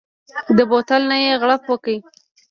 د بوتل نه يې غړپ وکړ.